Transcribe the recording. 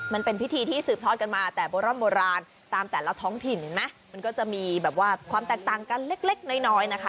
มันเป็นพิธีที่สืบทอดกันมาแต่โบราณตามแต่ละท้องถิ่นมันก็จะมีความแตกต่างกันเล็กน้อยนะคะ